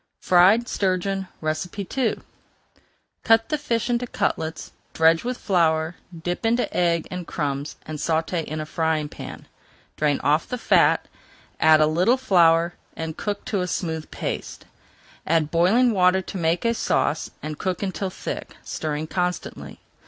FRIED STURGEON II Cut the fish into cutlets, dredge with flour, dip into egg and crumbs, and sauté in a frying pan. Drain off the fat, add a little flour and cook to a smooth paste. Add boiling water to make a sauce, and cook until thick, stirring constantly.